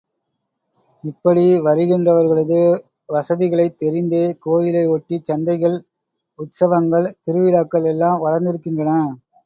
இப்படி வருகின்றவர்களது வசதிகளைத் தெரிந்தே கோயிலை ஒட்டிச் சந்தைகள் உத்ஸவங்கள், திருவிழாக்கள் எல்லாம் வளர்ந்திருக்கின்றன.